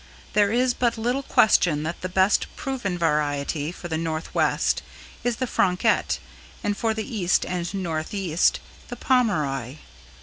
There is but little question that the best proven variety for the Northwest is the Franquette and for the East and Northeast, the Pomeroy.